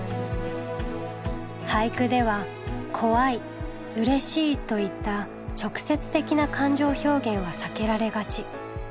俳句では「怖い」「うれしい」といった直接的な感情表現は避けられがち。